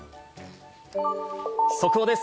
速報です。